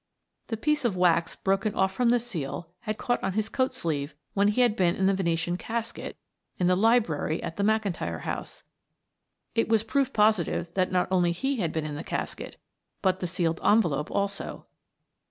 The piece of wax broken off from the seal had caught on his coat sleeve when he had been in the Venetian casket in the library at the McIntyre house. It was proof positive that not only he had been in the casket, but the sealed envelope also.